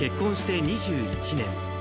結婚して２１年。